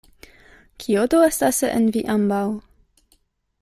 Kio do estas en vi ambaŭ?